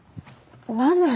なぜ？